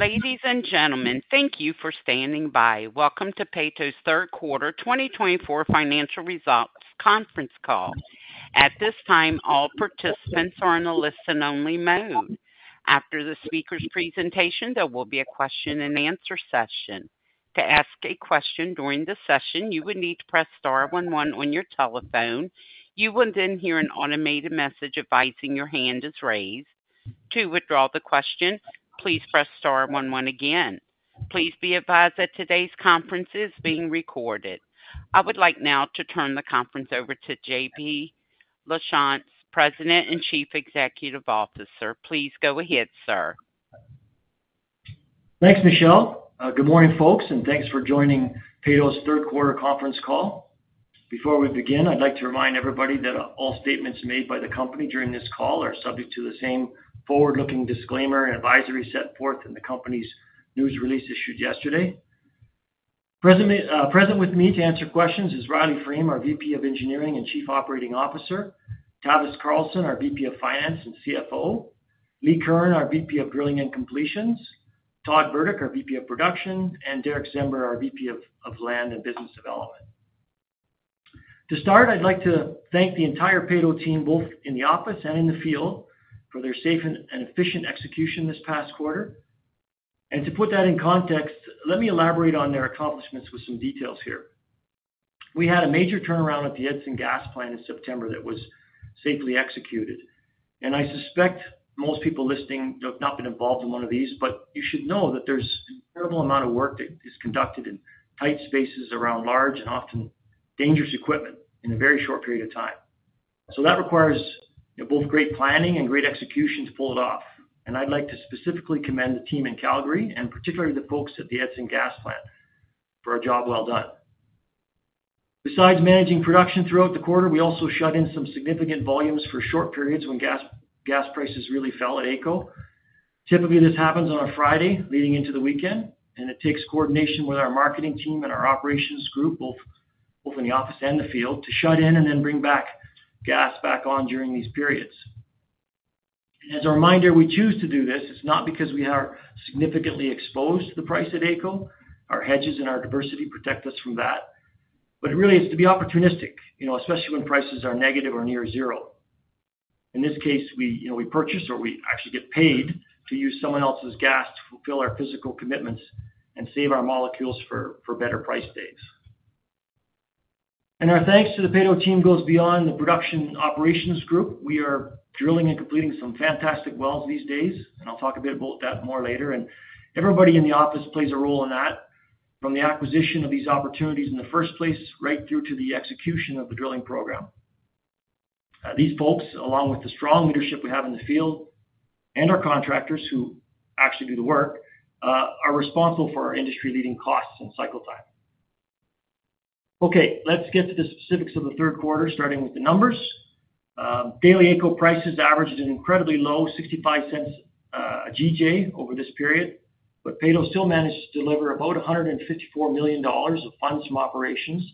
Ladies and gentlemen, thank you for standing by. Welcome to Peyto's Third Quarter 2024 Financial Results Conference Call. At this time, all participants are in a listen-only mode. After the speaker's presentation, there will be a question-and-answer session. To ask a question during the session, you would need to press star one one on your telephone. You will then hear an automated message advising your hand is raised. To withdraw the question, please press star 11 again. Please be advised that today's conference is being recorded. I would like now to turn the conference over to JP Lachance, President and CEO. Please go ahead, sir. Thanks, Michelle. Good morning, folks, and thanks for joining Peyto's Third Quarter Conference Call. Before we begin, I'd like to remind everybody that all statements made by the company during this call are subject to the same forward-looking disclaimer and advisory set forth in the company's news release issued yesterday. Present with me to answer questions is Riley Frame, our VP of Engineering and CEO, Tavis Carlson, our VP of Finance and CFO, Lee Curran, our VP of Drilling and Completions, Todd Burdick, our VP of Production, and Derick Czember, our VP of Land and Business Development. To start, I'd like to thank the entire Peyto team, both in the office and in the field, for their safe and efficient execution this past quarter. To put that in context, let me elaborate on their accomplishments with some details here. We had a major turnaround at the Edson Gas Plant in September that was safely executed. And I suspect most people listening have not been involved in one of these, but you should know that there's an incredible amount of work that is conducted in tight spaces around large and often dangerous equipment in a very short period of time. So that requires both great planning and great execution to pull it off. And I'd like to specifically commend the team in Calgary, and particularly the folks at the Edson Gas Plant, for a job well done. Besides managing production throughout the quarter, we also shut in some significant volumes for short periods when gas prices really fell at AECO. Typically, this happens on a Friday leading into the weekend, and it takes coordination with our marketing team and our operations group, both in the office and the field, to shut in and then bring gas back on during these periods. As a reminder, we choose to do this. It's not because we are significantly exposed to the price at AECO. Our hedges and our diversity protect us from that. But really, it's to be opportunistic, especially when prices are negative or near zero. In this case, we purchase or we actually get paid to use someone else's gas to fulfill our physical commitments and save our molecules for better price days. And our thanks to the Peyto team goes beyond the production operations group. We are drilling and completing some fantastic wells these days, and I'll talk a bit about that more later. Everybody in the office plays a role in that, from the acquisition of these opportunities in the first place right through to the execution of the drilling program. These folks, along with the strong leadership we have in the field and our contractors who actually do the work, are responsible for our industry-leading costs and cycle time. Okay, let's get to the specifics of the third quarter, starting with the numbers. Daily AECO prices averaged an incredibly low 0.65/GJ over this period, but Peyto still managed to deliver about 154 million dollars of funds from operations,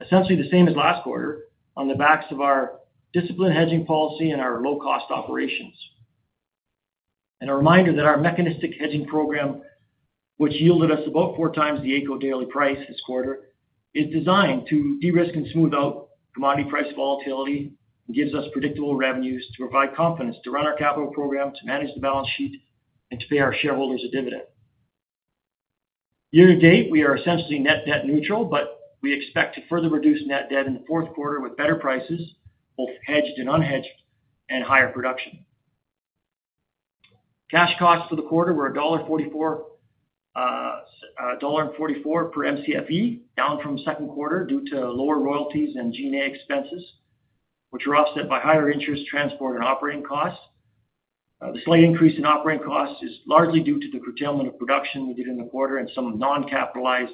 essentially the same as last quarter, on the backs of our disciplined hedging policy and our low-cost operations. A reminder that our mechanistic hedging program, which yielded us about four times the AECO daily price this quarter, is designed to de-risk and smooth out commodity price volatility and gives us predictable revenues to provide confidence to run our capital program, to manage the balance sheet, and to pay our shareholders a dividend. Year to date, we are essentially net debt neutral, but we expect to further reduce net debt in the fourth quarter with better prices, both hedged and unhedged, and higher production. Cash costs for the quarter were 1.44 dollar per MCFE, down from second quarter due to lower royalties and G&A expenses, which were offset by higher interest, transport, and operating costs. The slight increase in operating costs is largely due to the curtailment of production we did in the quarter and some non-capitalized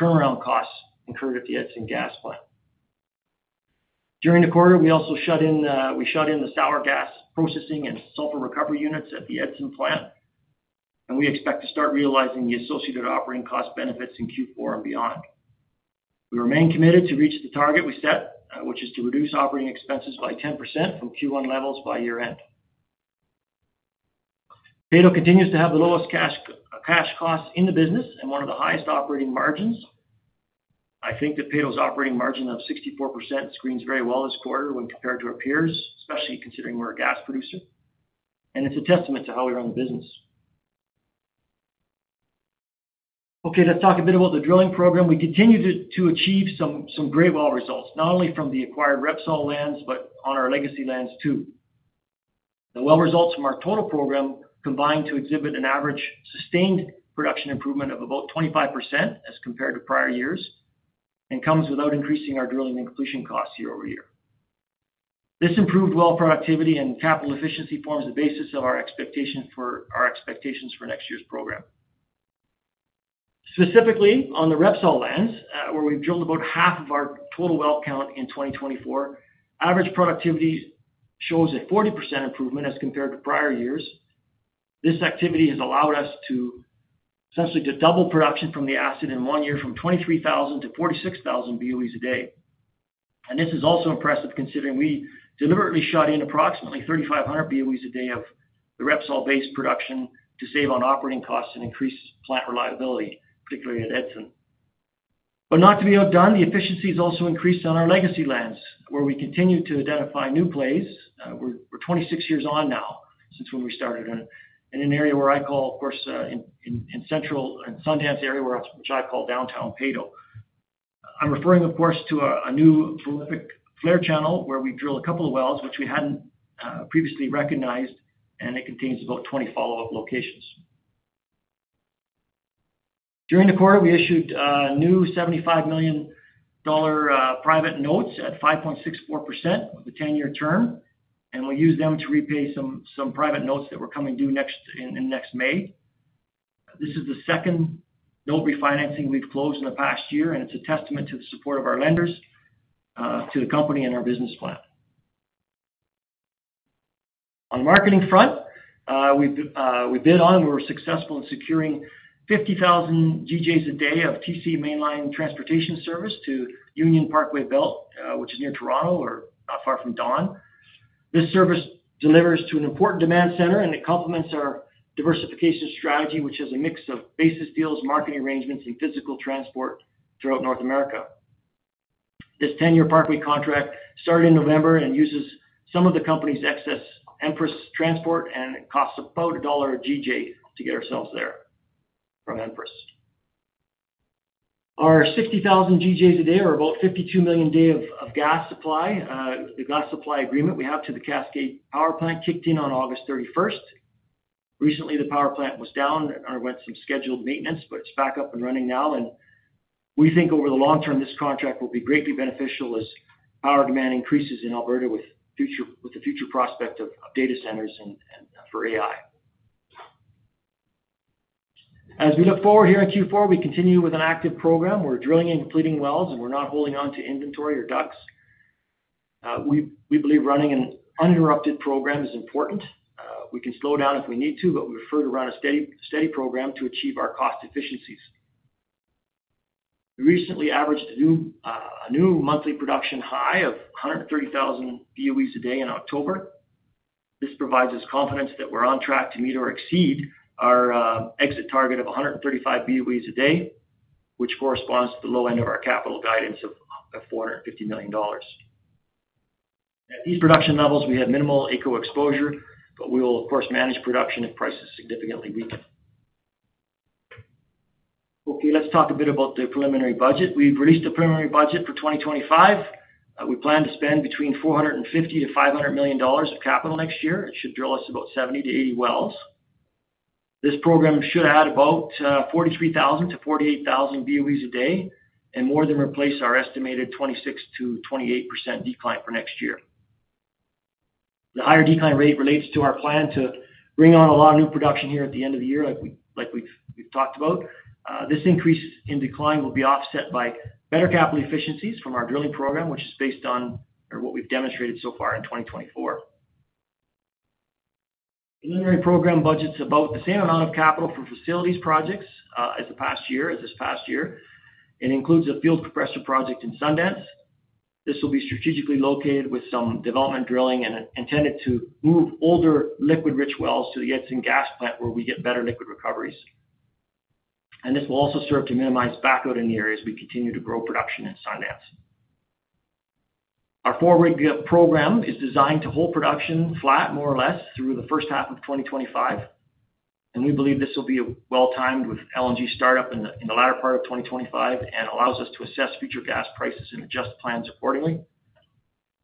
turnaround costs incurred at the Edson Gas Plant. During the quarter, we also shut in the sour gas processing and sulfur recovery units at the Edson Plant, and we expect to start realizing the associated operating cost benefits in Q4 and beyond. We remain committed to reach the target we set, which is to reduce operating expenses by 10% from Q1 levels by year-end. Peyto continues to have the lowest cash costs in the business and one of the highest operating margins. I think that Peyto's operating margin of 64% screens very well this quarter when compared to our peers, especially considering we're a gas producer, and it's a testament to how we run the business. Okay, let's talk a bit about the drilling program. We continue to achieve some great well results, not only from the acquired Repsol lands, but on our legacy lands too. The well results from our total program combine to exhibit an average sustained production improvement of about 25% as compared to prior years and comes without increasing our drilling and completion costs year-over-year. This improved well productivity and capital efficiency forms the basis of our expectations for next year's program. Specifically, on the Repsol lands, where we've drilled about half of our total well count in 2024, average productivity shows a 40% improvement as compared to prior years. This activity has allowed us to essentially double production from the Sundance in one year from 23,000 to 46,000 BOEs a day. This is also impressive considering we deliberately shut in approximately 3,500 BOEs a day of the Repsol-based production to save on operating costs and increase plant reliability, particularly at Edson. Not to be outdone, the efficiency has also increased on our legacy lands, where we continue to identify new plays. We're 26 years on now since when we started in an area where I call, of course, in Central and Sundance area, which I call Downtown Peyto. I'm referring, of course, to a new prolific flare channel where we drill a couple of wells, which we hadn't previously recognized, and it contains about 20 follow-up locations. During the quarter, we issued new 75 million dollar private notes at 5.64% with a 10-year term, and we use them to repay some private notes that were coming due in next May. This is the second note refinancing we've closed in the past year, and it's a testament to the support of our lenders, to the company, and our business plan. On the marketing front, we bid on and we were successful in securing 50,000 GJs a day of TC Mainline transportation service to Union Parkway Belt, which is near Toronto or not far from Dawn. This service delivers to an important demand center, and it complements our diversification strategy, which has a mix of basis deals, marketing arrangements, and physical transport throughout North America. This 10-year Parkway contract started in November and uses some of the company's excess Empress transport and costs about CAD 1 a GJ to get ourselves there from Empress. Our 60,000 GJs a day are about 52 million a day of gas supply. The gas supply agreement we have to the Cascade Power Plant kicked in on August 31st. Recently, the power plant was down and underwent some scheduled maintenance, but it's back up and running now. We think over the long term, this contract will be greatly beneficial as power demand increases in Alberta with the future prospect of data centers and for AI. As we look forward here in Q4, we continue with an active program. We're drilling and completing wells, and we're not holding on to inventory or DUCs. We believe running an uninterrupted program is important. We can slow down if we need to, but we prefer to run a steady program to achieve our cost efficiencies. We recently averaged a new monthly production high of 130,000 BOEs a day in October. This provides us confidence that we're on track to meet or exceed our exit target of 135 BOEs a day, which corresponds to the low end of our capital guidance of 450 million dollars. At these production levels, we have minimal AECO exposure, but we will, of course, manage production if prices significantly weaken. Okay, let's talk a bit about the preliminary budget. We've released the preliminary budget for 2025. We plan to spend between $450-$500 million of capital next year. It should drill us about 70-80 wells. This program should add about 43,000-48,000 BOEs a day and more than replace our estimated 26%-28% decline for next year. The higher decline rate relates to our plan to bring on a lot of new production here at the end of the year, like we've talked about. This increase in decline will be offset by better capital efficiencies from our drilling program, which is based on what we've demonstrated so far in 2024. Preliminary program budgets about the same amount of capital for facilities projects as this past year. It includes a field compressor project in Sundance. This will be strategically located with some development drilling and intended to move older liquid-rich wells to the Edson Gas Plant where we get better liquid recoveries. And this will also serve to minimize back pressure in the area as we continue to grow production in Sundance. Our forward-looking program is designed to hold production flat, more or less, through the first half of 2025. And we believe this will be well-timed with LNG startup in the latter part of 2025 and allows us to assess future gas prices and adjust plans accordingly.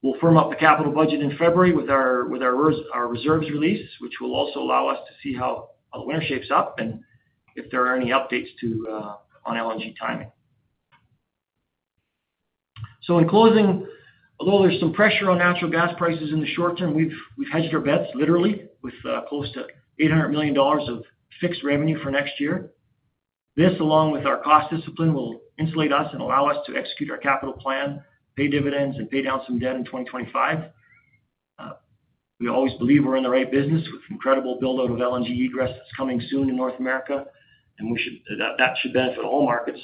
We'll firm up the capital budget in February with our reserves release, which will also allow us to see how the winter shapes up and if there are any updates on LNG timing. So in closing, although there's some pressure on natural gas prices in the short term, we've hedged our bets literally with close to 800 million dollars of fixed revenue for next year. This, along with our cost discipline, will insulate us and allow us to execute our capital plan, pay dividends, and pay down some debt in 2025. We always believe we're in the right business with incredible build-out of LNG egress that's coming soon in North America, and that should benefit all markets.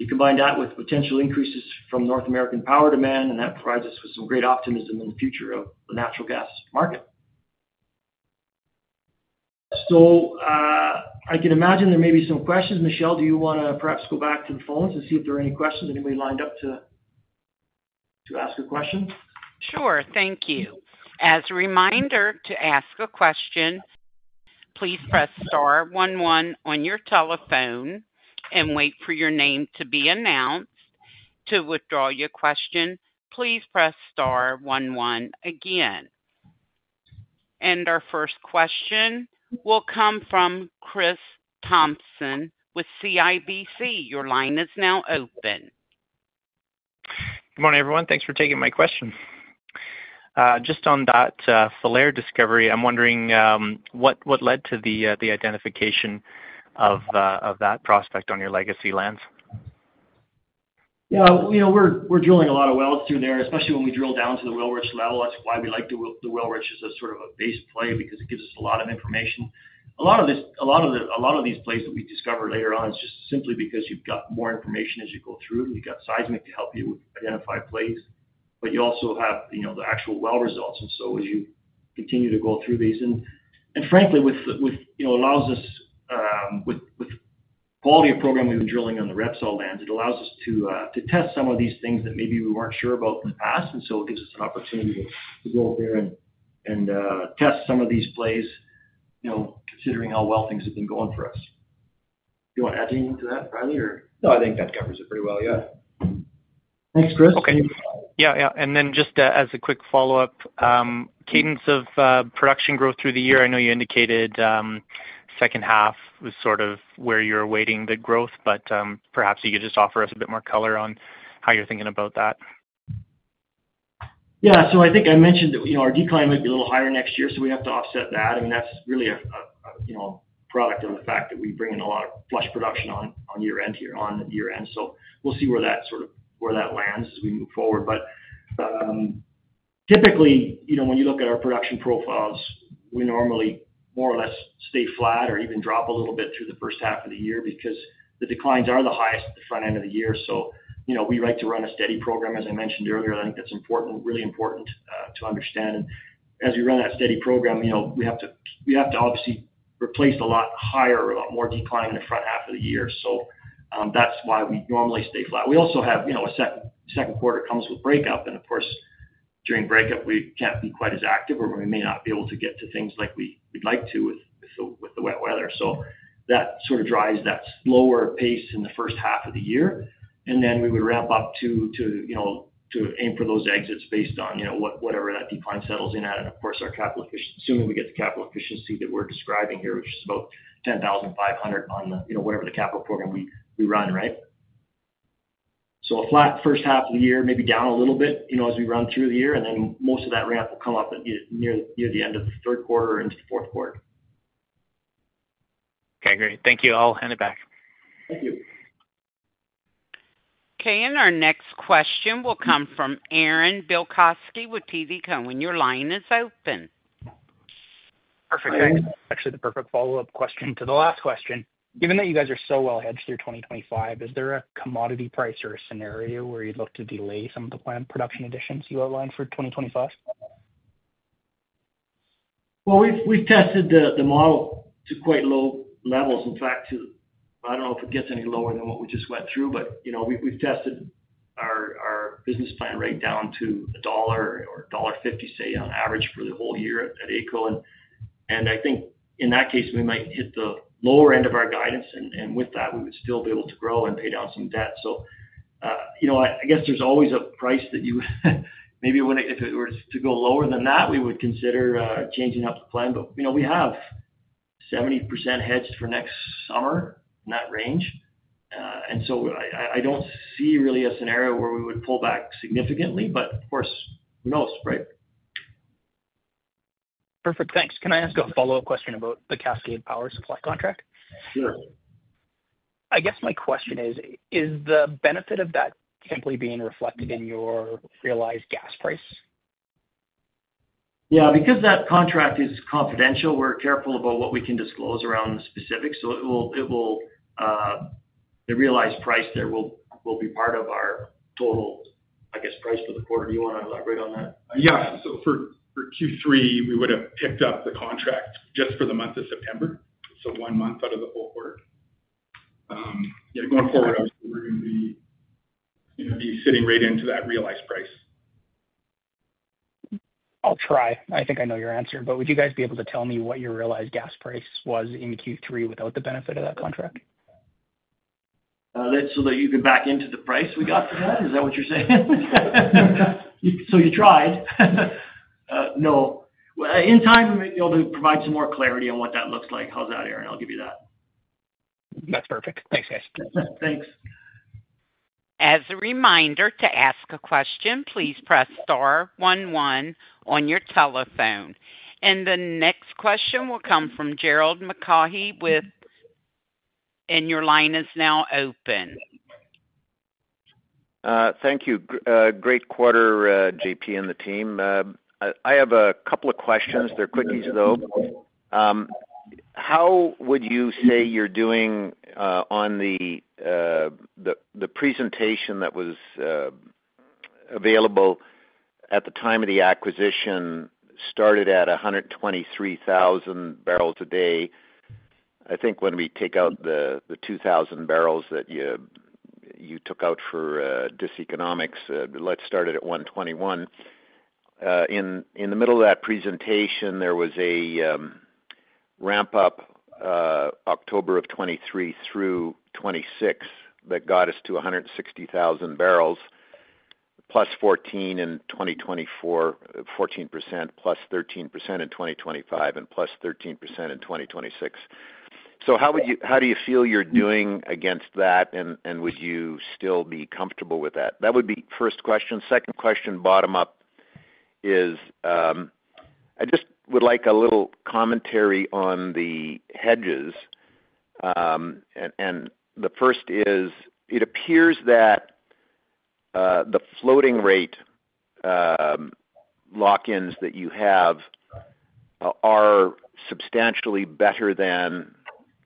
You combine that with potential increases from North American power demand, and that provides us with some great optimism in the future of the natural gas market. So I can imagine there may be some questions. Michelle, do you want to perhaps go back to the phones and see if there are any questions? Anybody lined up to ask a question? Sure. Thank you. As a reminder to ask a question, please press star one one on your telephone and wait for your name to be announced. To withdraw your question, please press star 11 again. Our first question will come from Chris Thompson with CIBC. Your line is now open. Good morning, everyone. Thanks for taking my question. Just on that Flare discovery, I'm wondering what led to the identification of that prospect on your legacy lands? Yeah, we're drilling a lot of wells through there, especially when we drill down to the Wilrich level. That's why we like the Wilrich as a sort of a base play because it gives us a lot of information. A lot of these plays that we discover later on is just simply because you've got more information as you go through. You've got seismic to help you identify plays, but you also have the actual well results. And so as you continue to go through these, and frankly, it allows us with quality of program we've been drilling on the Repsol lands, it allows us to test some of these things that maybe we weren't sure about in the past. And so it gives us an opportunity to go up there and test some of these plays, considering how well things have been going for us. Do you want to add anything to that, Bradley, or? No, I think that covers it pretty well. Yeah. Thanks, Chris. Okay. Yeah, yeah. And then, just as a quick follow-up, cadence of production growth through the year. I know you indicated second half was sort of where you're awaiting the growth, but perhaps you could just offer us a bit more color on how you're thinking about that. Yeah. So I think I mentioned our decline might be a little higher next year, so we have to offset that. I mean, that's really a product of the fact that we bring in a lot of flush production on year-end here, on year-end. So we'll see where that sort of where that lands as we move forward. But typically, when you look at our production profiles, we normally more or less stay flat or even drop a little bit through the first half of the year because the declines are the highest at the front end of the year. So we like to run a steady program, as I mentioned earlier. I think that's important, really important to understand. And as we run that steady program, we have to obviously replace a lot higher or a lot more decline in the front half of the year. So that's why we normally stay flat. We also have a second quarter that comes with breakup. And of course, during breakup, we can't be quite as active or we may not be able to get to things like we'd like to with the wet weather. So that sort of drives that slower pace in the first half of the year. And then we would ramp up to aim for those exits based on whatever that decline settles in at. Of course, our capital efficiency, assuming we get the capital efficiency that we're describing here, which is about 10,500 on whatever the capital program we run, right? So a flat first half of the year, maybe down a little bit as we run through the year. And then most of that ramp will come up near the end of the third quarter or into the fourth quarter. Okay, great. Thank you. I'll hand it back. Thank you. Okay. And our next question will come from Aaron Bilkoski with Peters & Co. Limited. Your line is open. Perfect. Thanks. Actually, the perfect follow-up question to the last question. Given that you guys are so well hedged through 2025, is there a commodity price or a scenario where you'd look to delay some of the planned production additions you outlined for 2025? Well, we've tested the model to quite low levels. In fact, I don't know if it gets any lower than what we just went through, but we've tested our business plan right down to CAD 1.00 or 1.50 dollar, say, on average for the whole year at AECO. I think in that case, we might hit the lower end of our guidance. With that, we would still be able to grow and pay down some debt. I guess there's always a price that you maybe if it were to go lower than that, we would consider changing up the plan. We have 70% hedged for next summer in that range. So I don't see really a scenario where we would pull back significantly, but of course, who knows, right? Perfect. Thanks. Can I ask a follow-up question about the Cascade Power supply contract? Sure. I guess my question is, is the benefit of that simply being reflected in your realized gas price? Yeah. Because that contract is confidential, we're careful about what we can disclose around the specifics. So the realized price there will be part of our total, I guess, price for the quarter. Do you want to elaborate on that? Yeah. So for Q3, we would have picked up the contract just for the month of September. So one month out of the whole quarter. Going forward, we're going to be sitting right into that realized price. I'll try. I think I know your answer, but would you guys be able to tell me what your realized gas price was in Q3 without the benefit of that contract? So that you could back into the price we got for that? Is that what you're saying? So you tried. No. In time, I'll provide some more clarity on what that looks like. I'll have that and I'll give you that. That's perfect. Thanks, guys. Thanks. As a reminder to ask a question, please press star one one on your telephone. And the next question will come from Gerald McCaughey with. And your line is now open. Thank you. Great quarter, JP and the team. I have a couple of questions. They're quick, though. How would you say you're doing on the presentation that was available at the time of the acquisition, started at 123,000 barrels a day? I think when we take out the 2,000 barrels that you took out for diseconomics, let's start it at 121. In the middle of that presentation, there was a ramp-up October of 2023 through 2026 that got us to 160,000 barrels, plus 14 in 2024, 14%, plus 13% in 2025, and plus 13% in 2026. So how do you feel you're doing against that? And would you still be comfortable with that? That would be first question. Second question, bottom-up, is I just would like a little commentary on the hedges. And the first is, it appears that the floating rate lock-ins that you have are substantially better than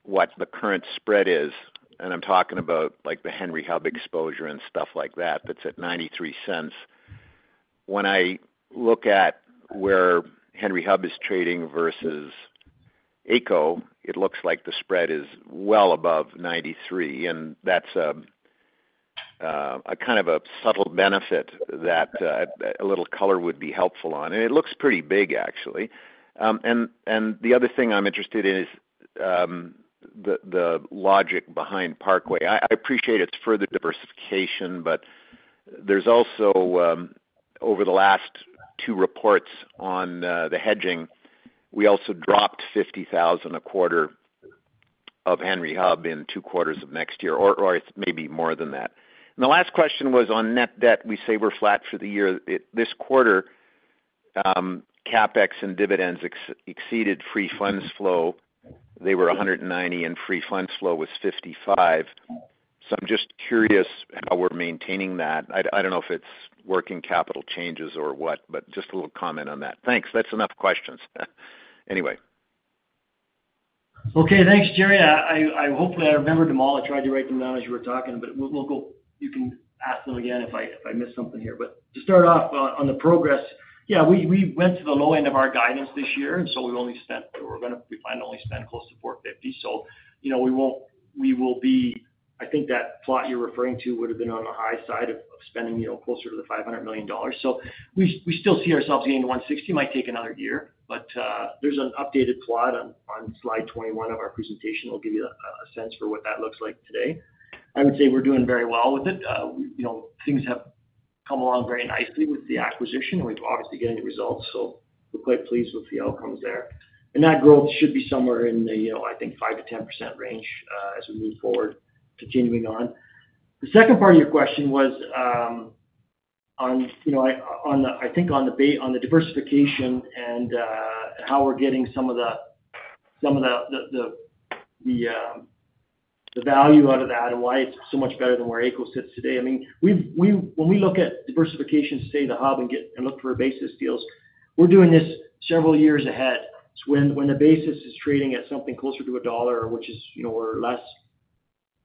what the current spread is. And I'm talking about the Henry Hub exposure and stuff like that. That's at 0.93. When I look at where Henry Hub is trading versus AECO, it looks like the spread is well above 93. And that's kind of a subtle benefit that a little color would be helpful on. It looks pretty big, actually. The other thing I'm interested in is the logic behind Parkway. I appreciate it's further diversification, but there's also, over the last two reports on the hedging, we also dropped 50,000 a quarter of Henry Hub in two quarters of next year, or maybe more than that. The last question was on net debt. We say we're flat for the year. This quarter, CapEx and dividends exceeded free funds flow. They were 190, and free funds flow was 55. So I'm just curious how we're maintaining that. I don't know if it's working capital changes or what, but just a little comment on that. Thanks. That's enough questions. Anyway. Okay. Thanks, Jerry. Hopefully, I remembered them all. I tried to write them down as you were talking, but we'll go. You can ask them again if I missed something here. To start off on the progress, yeah, we went to the low end of our guidance this year. And so we plan to only spend close to 450 million. So we will be. I think that plot you're referring to would have been on the high side of spending closer to the 500 million dollars. So we still see ourselves getting to 160. It might take another year, but there's an updated plot on slide 21 of our presentation. It'll give you a sense for what that looks like today. I would say we're doing very well with it. Things have come along very nicely with the acquisition, and we're obviously getting results. So we're quite pleased with the outcomes there. And that growth should be somewhere in the, I think, 5%-10% range as we move forward, continuing on. The second part of your question was on, I think, on the diversification and how we're getting some of the value out of that and why it's so much better than where AECO sits today. I mean, when we look at diversification, say, the hub and look for basis deals, we're doing this several years ahead. It's when the basis is trading at something closer to a dollar, which is $1 or less,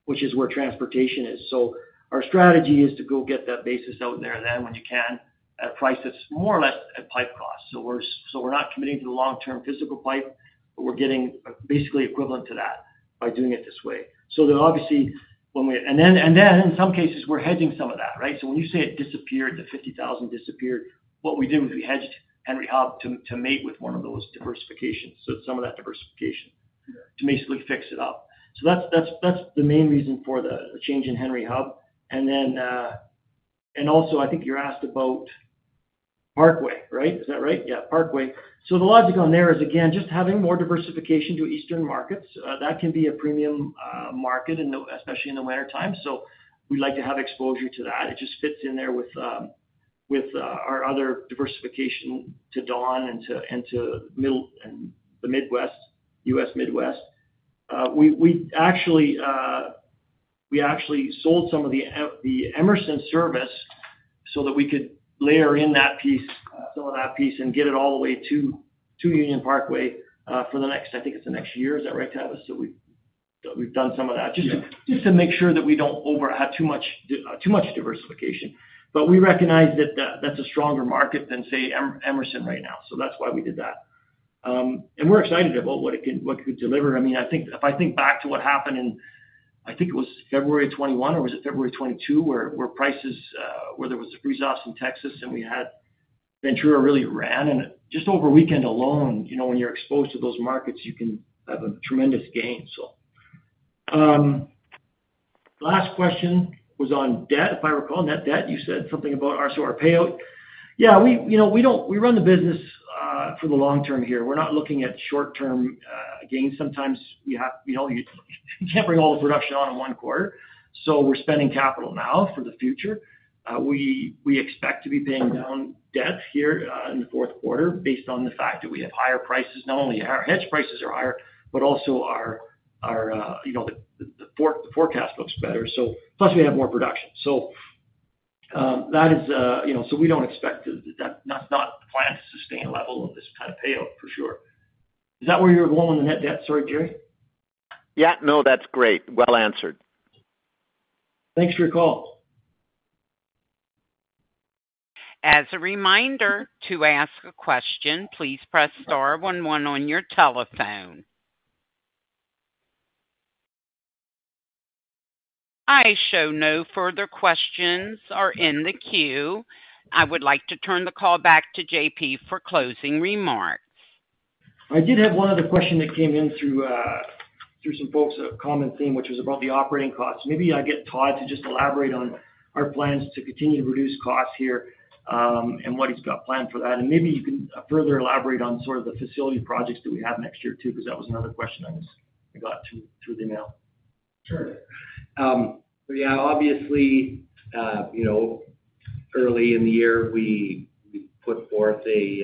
which is where transportation is. So our strategy is to go get that basis out there then when you can at a price that's more or less at pipe cost. So we're not committing to the long-term physical pipe, but we're getting basically equivalent to that by doing it this way. So then obviously, when we in some cases, we're hedging some of that, right? So when you say it disappeared, the 50,000 disappeared. What we did was we hedged Henry Hub to match with one of those diversifications, so some of that diversification to basically fix it up. So that's the main reason for the change in Henry Hub. And also, I think you're asked about Parkway, right? Is that right? Yeah, Parkway. So the logic on there is, again, just having more diversification to Eastern markets. That can be a premium market, especially in the wintertime. So we'd like to have exposure to that. It just fits in there with our other diversification to Dawn and to the Midwest, US Midwest. We actually sold some of the Empress service so that we could layer in that piece, some of that piece, and get it all the way to Union Parkway for the next. I think it's the next year is that right tell us? We've done some of that just to make sure that we don't have too much diversification. But we recognize that that's a stronger market than, say, Empress right now. That's why we did that. We're excited about what it could deliver. I mean, if I think back to what happened in, I think it was February 2021 or was it February 2022, where there was a freeze-off in Texas and Ventura really ran. Just over a weekend alone, when you're exposed to those markets, you can have a tremendous gain, so. Last question was on debt. If I recall, net debt, you said something about our payout. Yeah. We run the business for the long term here. We're not looking at short-term gains. Sometimes you can't bring all the production on in one quarter. We're spending capital now for the future. We expect to be paying down debt here in the fourth quarter based on the fact that we have higher prices. Not only are our hedge prices higher, but also the forecast looks better. So plus, we have more production. So we don't expect that that's not planned to sustain a level of this kind of payout, for sure. Is that where you're going with the net debt? Sorry, Jerry. Yeah. No, that's great. Well answered. Thanks for your call. As a reminder to ask a question, please press star one one on your telephone. I show no further questions are in the queue. I would like to turn the call back to JP for closing remarks. I did have one other question that came in through some folks' comment theme, which was about the operating costs. Maybe I get Todd to just elaborate on our plans to continue to reduce costs here and what he's got planned for that. And maybe you can further elaborate on sort of the facility projects that we have next year too, because that was another question I got through the email. Sure. So yeah, obviously, early in the year, we put forth a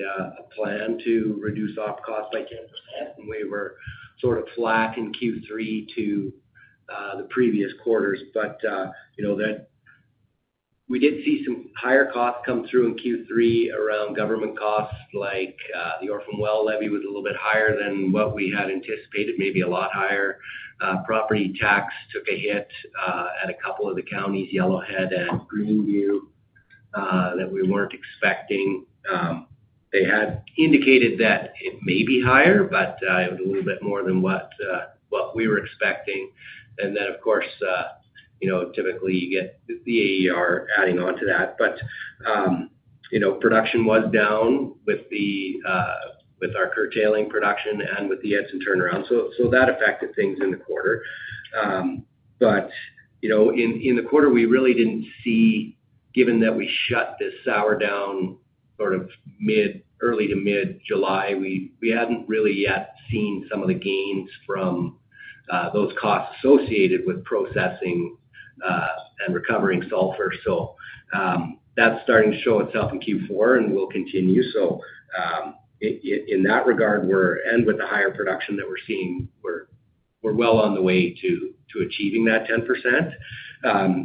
plan to reduce op costs by 10%. And we were sort of flat in Q3 to the previous quarters. But we did see some higher costs come through in Q3 around government costs. The Orphan Fund Levy was a little bit higher than what we had anticipated, maybe a lot higher. Property tax took a hit at a couple of the counties, Yellowhead and Greenview, that we weren't expecting. They had indicated that it may be higher, but it was a little bit more than what we were expecting, and then, of course, typically, you get the AER adding on to that, but production was down with our curtailing production and with the Edson and turnaround, so that affected things in the quarter, but in the quarter, we really didn't see, given that we shut this sour down sort of early to mid-July, we hadn't really yet seen some of the gains from those costs associated with processing and recovering sulfur, so that's starting to show itself in Q4 and will continue, so in that regard, and with the higher production that we're seeing, we're well on the way to achieving that 10%,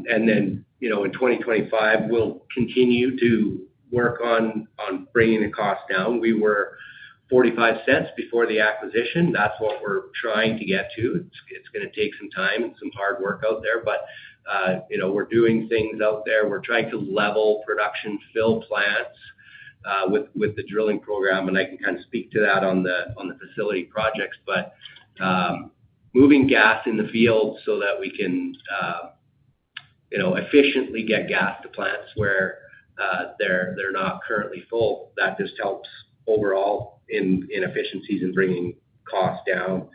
and then in 2025, we'll continue to work on bringing the cost down. We were 0.45 before the acquisition. That's what we're trying to get to. It's going to take some time and some hard work out there, but we're doing things out there. We're trying to level production, fill plants with the drilling program, and I can kind of speak to that on the facility projects, but moving gas in the field so that we can efficiently get gas to plants where they're not currently full. That just helps overall in efficiencies and bringing costs down.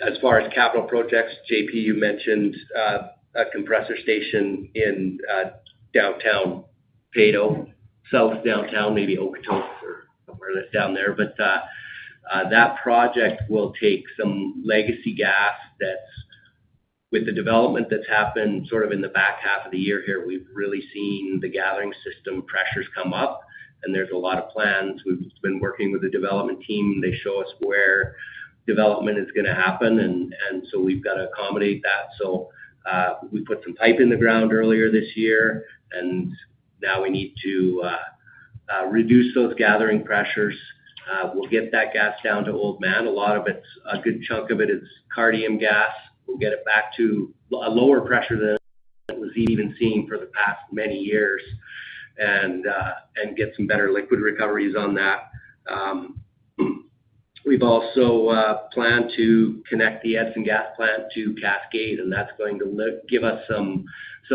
As far as capital projects, JP, you mentioned a compressor station in downtown Peyto, south downtown, maybe or somewhere down there, but that project will take some legacy gas that's with the development that's happened sort of in the back half of the year here. We've really seen the gathering system pressures come up, and there's a lot of plans. We've been working with the development team. They show us where development is going to happen. And so we've got to accommodate that. So we put some pipe in the ground earlier this year, and now we need to reduce those gathering pressures. We'll get that gas down to Oldman. A lot of it's a good chunk of it is Cardium gas. We'll get it back to a lower pressure than it was even seen for the past many years and get some better liquid recoveries on that. We've also planned to connect the Edson Gas Plant to Cascade, and that's going to give us some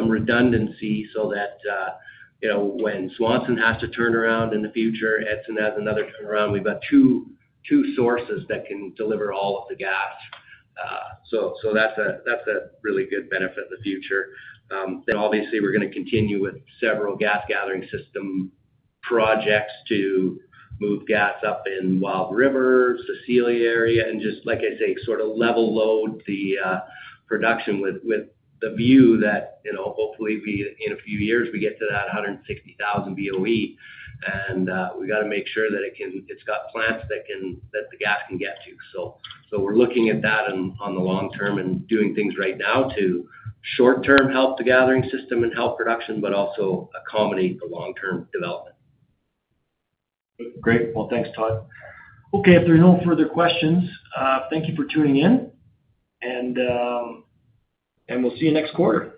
redundancy so that when Swanson has to turn around in the future, Edson has another turnaround. We've got two sources that can deliver all of the gas. So that's a really good benefit in the future. Then, obviously, we're going to continue with several gas gathering system projects to move gas up in Wild River, Cecilia area, and just, like I say, sort of level load the production with the view that hopefully, in a few years, we get to that 160,000 BOE. And we've got to make sure that it's got plants that the gas can get to. So we're looking at that on the long term and doing things right now to short-term help the gathering system and help production, but also accommodate the long-term development. Great. Well, thanks, Todd. Okay. If there are no further questions, thank you for tuning in, and we'll see you next quarter.